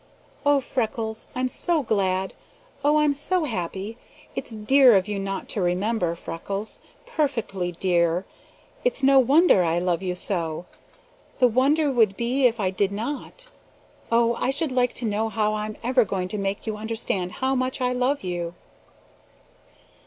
Oh, Freckles, I'm so glad! Oh, I'm so happy! It's dear of you not to remember, Freckles; perfectly dear! It's no wonder I love you so. The wonder would be if I did not. Oh, I should like to know how I'm ever going to make you understand how much I love you!"